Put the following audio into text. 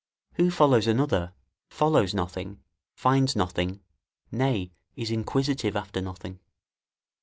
Who follows another, follows nothing, finds nothing, nay, is inquisitive after nothing.